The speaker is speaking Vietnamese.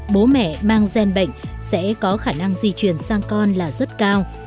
bố mẹ mang gen bệnh sẽ có khả năng di chuyển sang con là rất cao